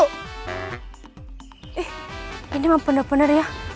eh ini mah bener bener ya